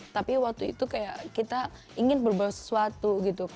tapi waktu itu kayak kita ingin berbuat sesuatu gitu